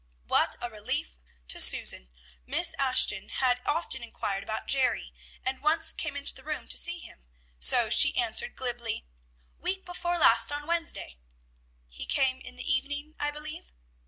What a relief to Susan! Miss Ashton had often inquired about Jerry, and once came into the room to see him, so she answered glibly, "Week before last, on Wednesday." "He came in the evening, I believe."